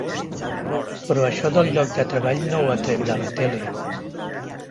Però això del lloc de treball no ho ha tret de la tele.